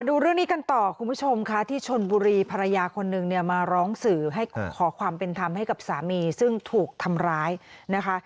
ดูเรื่องนี้กันต่อคุณผู้ชมค่ะที่ชนบุรีภรรยาคนนึงเนี่ยมาร้องสื่อให้ขอความเป็นธรรมให้กับสามีซึ่งถูกทำร้ายนะคะ